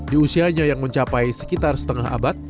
di usianya yang mencapai sekitar setengah abad